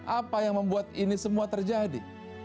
apa yang membuat ini semua terjadi